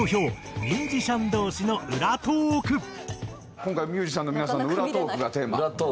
今回はミュージシャンの皆さんの裏トークがテーマ。